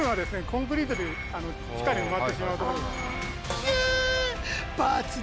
コンクリートで地下に埋まってしまうところです。